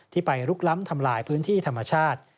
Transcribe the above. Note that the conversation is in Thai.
ไปลุกล้ำทำลายพื้นที่ธรรมชาติ